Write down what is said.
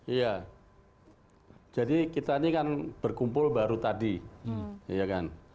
iya jadi kita ini kan berkumpul baru tadi ya kan